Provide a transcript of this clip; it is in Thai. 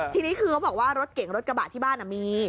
ทีนี้คือเขาบอกว่ารถเก่งรถกระบะที่บ้านมี